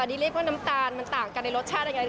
อันนี้เรียกว่าน้ำตาลมันต่างกันในรสชาติยังไง